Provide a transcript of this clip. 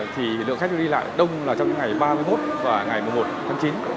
thì lượng khách đi lại đông là trong những ngày ba mươi một và ngày một mươi một tháng chín